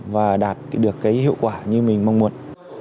và đạt được cái hiệu quả như mình mong muốn